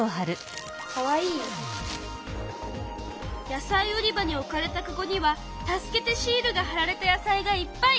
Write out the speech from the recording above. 野菜売り場に置かれたかごには「助けてシール」がはられた野菜がいっぱい！